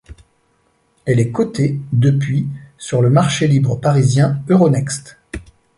Elle est cotée depuis sur le marché libre parisien Euronext.